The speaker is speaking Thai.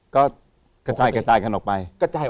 ก็กระจ่ายกันออกไป